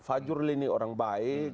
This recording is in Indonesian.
fajrul ini orang baik